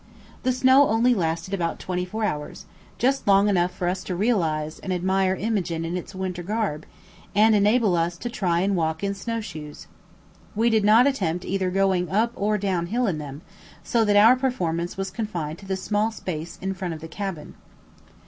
The snow only lasted about twenty four hours, just long enough for us to realise and admire Imogene in its winter garb, and enable us to try and walk in snow shoes. We did not attempt either going up or down hill in them, so that our performance was confined to the small space in front of the cabin.